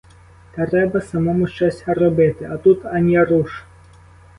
Треба самому щось робити, а тут ані руш!